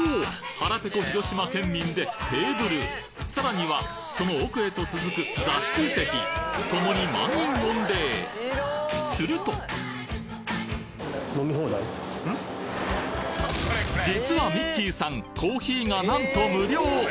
腹ぺこ広島県民でテーブルさらにはその奥へと続く座敷席共に満員御礼すると実はミッキーさんコーヒーがなんと無料！